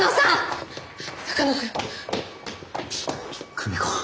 久美子。